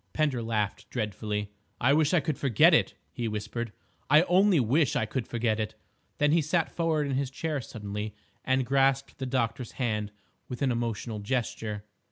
Pender laughed dreadfully. "I wish I could forget it," he whispered, "I only wish I could forget it!" Then he sat forward in his chair suddenly, and grasped the doctor's hand with an emotional gesture.